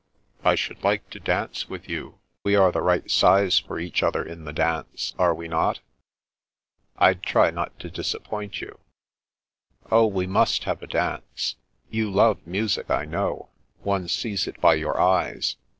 " I should like to dance with you. We are the right size for each other in the dance, are we not ?"" I'd try not to disappoint you." " Oh, we must have a dance. You love music, I know. One sees it by your eyes.